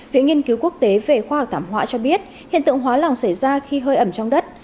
viện nghiên cứu quốc tế về khoa học thảm họa cho biết hiện tượng hóa lỏng xảy ra khi hơi ẩm trong đất